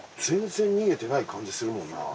全然逃げてない感じするもんな。